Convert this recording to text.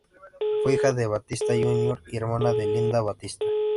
Fue hija de Batista Júnior y hermana de Linda Batista.